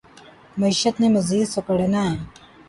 معیشت نے مزید سکڑنا ہے۔